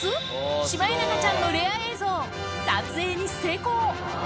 シマエナガちゃんのレア映像、撮影に成功。